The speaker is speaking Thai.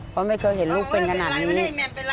เพราะไม่เคยเห็นลูกเป็นขนาดนี้